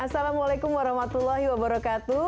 assalamualaikum warahmatullahi wabarakatuh